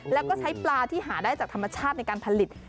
แล้วก็ใช้ปลาที่หาได้จากธรรมชาติในการผลิต